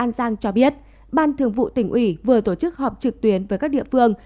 an giang cho biết ban thường vụ tỉnh ủy vừa tổ chức họp trực tuyến với các địa phương